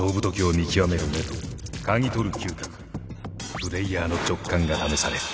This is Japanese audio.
プレーヤーの直感が試される。